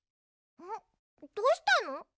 どうしたの？